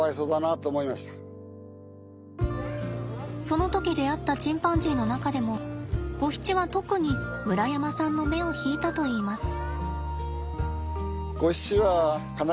その時出会ったチンパンジーの中でもゴヒチは特に村山さんの目を引いたといいます。